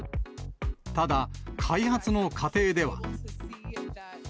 ただ、開発の過程では。